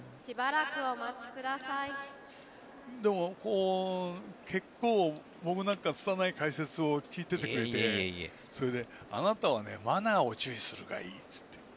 でも、結構僕なんかのつたない解説を聞いていてくれて、それであなたはマナーを重視したほうがいいと。